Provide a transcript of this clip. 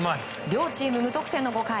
両チーム無得点の５回。